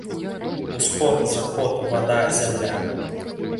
Усход, заход, вада, зямля.